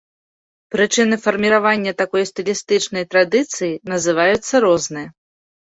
Прычыны фарміравання такой стылістычнай традыцыі называюцца розныя.